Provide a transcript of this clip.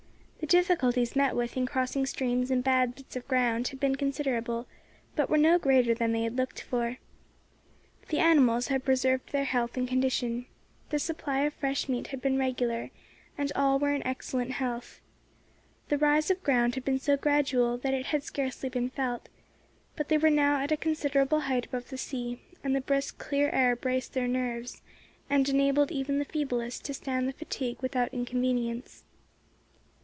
The difficulties met with in crossing streams and bad bits of ground had been considerable, but were no greater than they had looked for. The animals had preserved their health and condition. The supply of fresh meat had been regular, and all were in excellent health. The rise of ground had been so gradual that it had scarcely been felt; but they were now at a considerable height above the sea, and the brisk clear air braced their nerves, and enabled even the feeblest to stand the fatigue without inconvenience.